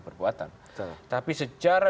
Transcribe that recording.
perbuatan tapi secara